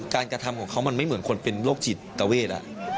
กระทำของเขามันไม่เหมือนคนเป็นโรคจิตเวท